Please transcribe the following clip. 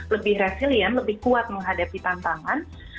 lebih resilient lebih kuat menghadapi tantangan